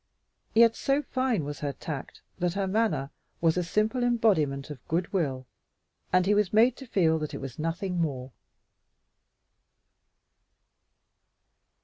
Yet so fine was her tact that her manner was a simple embodiment of good will, and he was made to feel that it was nothing more.